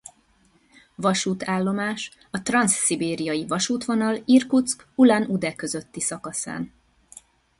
Vasútállomás a transzszibériai vasútvonal Irkutszk–Ulan-Ude közötti szakaszán.